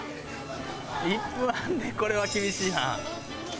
１分半でこれは厳しいな。